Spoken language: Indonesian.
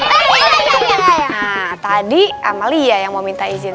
nah tadi amalia yang mau minta izin